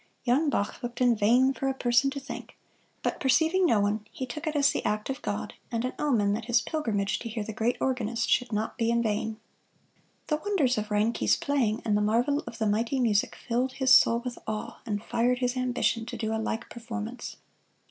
Young Bach looked in vain for a person to thank, but perceiving no one he took it as the act of God and an omen that his pilgrimage to hear the great organist should not be in vain. The wonders of Reinke's playing and the marvel of the mighty music filled his soul with awe, and fired his ambition to do a like performance.